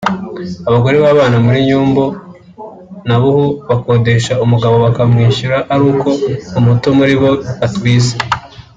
abagore babana muri Nyumba Ntobhu bakodesha umugabo bakamwishyura ari uko umuto muri bo yatwise